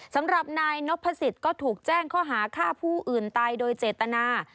สำหรับนายนพสิทธิ์ก็ถูกแจ้งข้อหาฆ่าผู้อื่นตายโดยเจตนา